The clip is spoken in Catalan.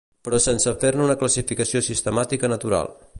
Però sense fer-ne una classificació sistemàtica natural.